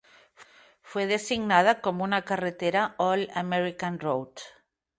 Fue designada como una carretera "All-American Road".